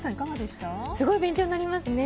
すごい勉強になりますね。